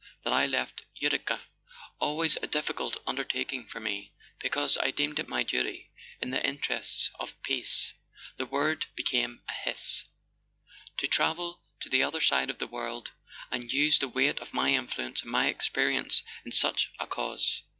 That I left Utica—always a difficult under¬ taking for me—because I deemed it my duty, in the interests of Peace ," (the word became a hiss) "to travel to the other side of the world, and use the weight of my influence and my experience in such a cause!"